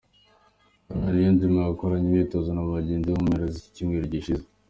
Haruna Niyonzima yakoranye imyitozo na bagenzi be mu mpera z'icyumweru gishize.